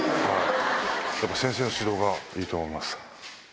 やっぱ先生の指導がいいと思いま